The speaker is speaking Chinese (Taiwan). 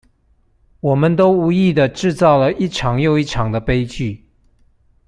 我們都無意的製造了一場又一場的悲劇